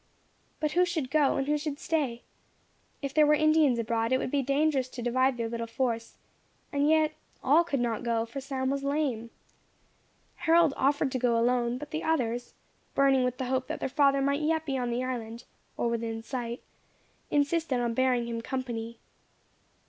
But who should go, and who should stay? If there were Indians abroad, it would be dangerous to divide their little force; and yet all could not go, for Sam was lame. Harold offered to go alone; but the others, burning with the hope that their father might yet be on the island, or within sight, insisted on bearing him company.